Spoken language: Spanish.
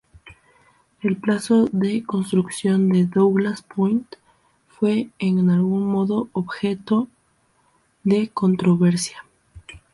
El plazo de construcción de Douglas Point fue en algún modo objeto de controversia.